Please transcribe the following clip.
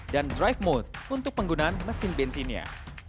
dan drive mode untuk penggunaan mesin bensinnya